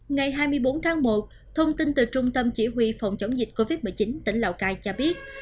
ngày hai mươi bốn tháng một thông tin từ trung tâm chỉ huy phòng chống dịch covid một mươi chín tỉnh lào cai cho biết